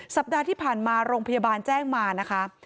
สัปดาห์ที่ผ่านมาโรงพยาบาลแจ้งมานะคะ